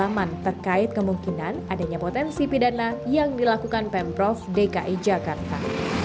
pemahaman terkait kemungkinan adanya potensi pidana yang dilakukan pemprov dki jakarta